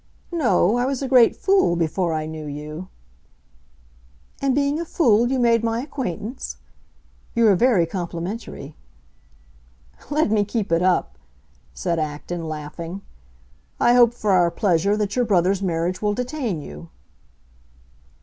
"No, I was a great fool before I knew you!" "And being a fool you made my acquaintance? You are very complimentary." "Let me keep it up," said Acton, laughing. "I hope, for our pleasure, that your brother's marriage will detain you."